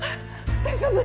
大丈夫？